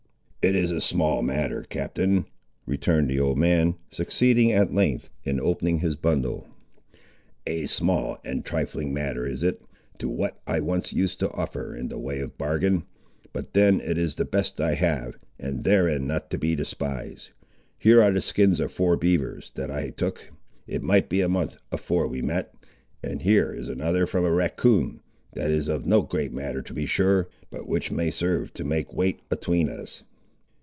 "It is a small matter, Captain," returned the old man, succeeding at length in opening his bundle. "A small and trifling matter is it, to what I once used to offer in the way of bargain; but then it is the best I have, and therein not to be despised. Here are the skins of four beavers, that I took, it might be a month afore we met, and here is another from a racoon, that is of no great matter to be sure, but which may serve to make weight atween us."